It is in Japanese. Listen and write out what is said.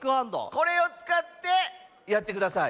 これをつかってやってください。